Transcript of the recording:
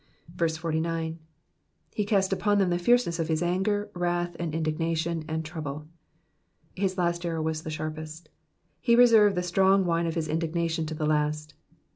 49. /fe cast upon them the flsrceness of his anger ^ wrath^ and indignation^ and troultle.^'* His last arrow was the sharpest. He reserved the strong wine oif his indignation to the last.